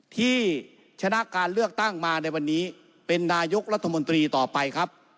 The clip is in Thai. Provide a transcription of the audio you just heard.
ที่ชนะการเลือกตั้งมาในวันนี้เป็นนายกรัฐมนตรีต่อไปครับ